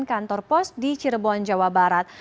kantor pos di cirebon jawa barat